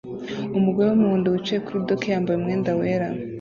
Umugore wumuhondo wicaye kuri dock yambaye umwenda wera